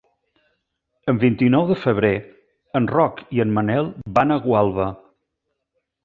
El vint-i-nou de febrer en Roc i en Manel van a Gualba.